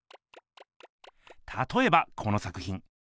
たとえばこの作ひん。